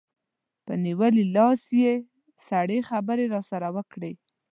په نیولي لاس یې سړې خبرې راسره وکړې.